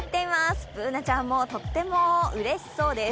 Ｂｏｏｎａちゃんもとってもうれしそうです。